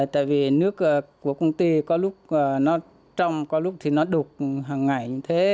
tại vì nước của công ty có lúc nó trong có lúc thì nó đục hàng ngày như thế